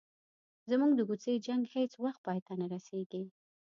زموږ د کوڅې جنګ هیڅ وخت پای ته نه رسيږي.